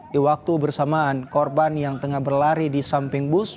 di waktu bersamaan korban yang tengah berlari di samping bus